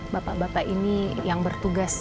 bapak bapak ini yang bertugas